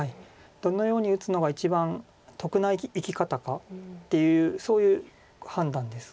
どのように打つのが一番得な生き方かっていうそういう判断です。